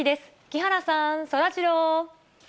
木原さん、そらジロー。